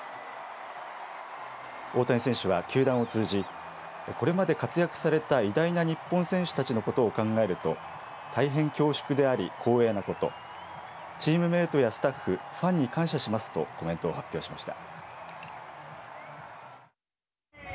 大谷選手は球団を通じこれまで活躍された偉大な日本選手たちのことを考えると大変恐縮であり、光栄なことチームメートやスタッフファンに感謝しますとコメントを発表しました。